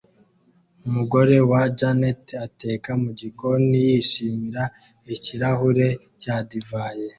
Umugore wa jannet ateka mugikoni yishimira ikirahure cya divayi